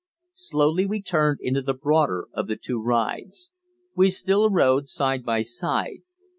Slowly we turned into the broader of the two rides. We still rode side by side.